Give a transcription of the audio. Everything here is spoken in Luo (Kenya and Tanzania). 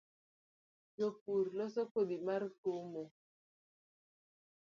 Jopur loso kodhi mar komo